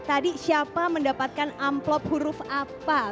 tadi siapa mendapatkan amplop huruf apa